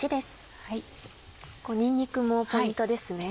にんにくもポイントですね。